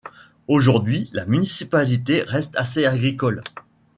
Aujourd'hui, la municipalité reste assez agricole.